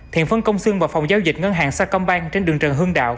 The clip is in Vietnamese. thiện phân công sương vào phòng giao dịch ngân hàng sa công bang trên đường trần hương đạo